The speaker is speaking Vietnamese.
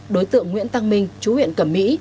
đối tượng nguyễn tăng minh chú huyện cẩm mỹ